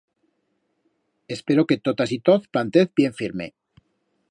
Espero que totas y toz plantez bien firme.